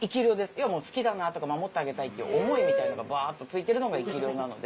要は好きだなとか守ってあげたいっていう思いみたいなのがバっとついてるのが生き霊なので。